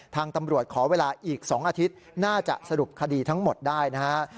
ทางตำรวจขอเวลาอีก๒อาทิตย์น่าจะสรุปคดีทั้งหมดได้นะฮะ